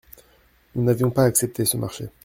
Nous n’avions pas accepté ce marché.